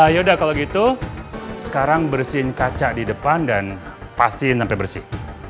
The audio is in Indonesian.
yaudah kalau gitu sekarang bersihin kaca di depan dan pasin sampai bersih